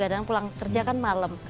kadang kadang pulang kerja kan malem